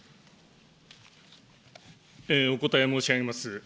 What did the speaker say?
お答え申し上げます。